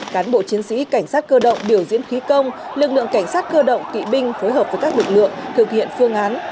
cán bộ chiến sĩ cảnh sát cơ động biểu diễn khí công lực lượng cảnh sát cơ động kỵ binh phối hợp với các lực lượng thực hiện phương án